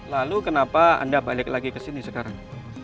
lalu kenapa anda balik lagi ke sini sekarang